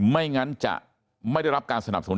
ไม่งั้นจะไม่ได้รับการสนับสนุน